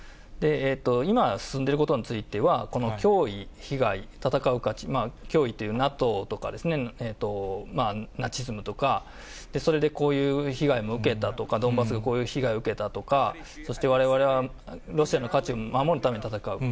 今、進んでいることについては、この脅威、被害、戦うか、脅威というＮＡＴＯとか、ナチズムとか、それでこういう被害も受けたとか、ドンバスがこういう被害を受けたとか、そしてわれわれはロシアの価値を守るための戦い。